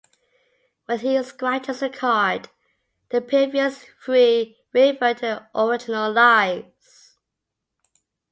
When he scratches a card, the previous three revert to their original lives.